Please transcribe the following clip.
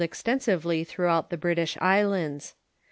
extensively throughout the British islands.